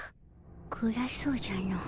暗そうじゃの。